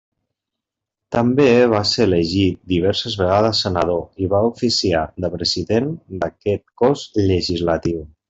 També va ser elegit diverses vegades senador i va oficiar de president d'aquest cos legislatiu.